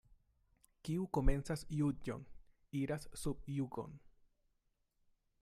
Kiu komencas juĝon, iras sub jugon.